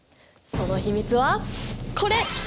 その秘密はこれ！